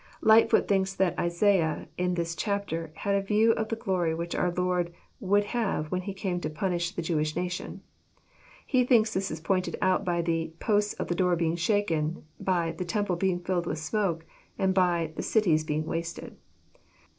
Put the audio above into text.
Lightfoot thinks that Isaiah in this chapter had a view of the glory which our Lord would have when He came to punish the Jewish nation. He thinks this is pointed out by "the posts of the door being shaken;" by "the temple being filled with smoke ;" and by " the cities being wasted."